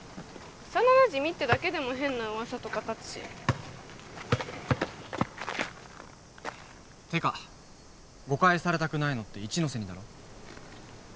幼なじみってだけでも変な噂とか立つしてか誤解されたくないのって一ノ瀬にだろ？